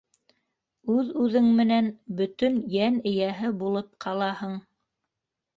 Үҙ-үҙең менән бөтөн йән эйәһе булып ҡалаһың.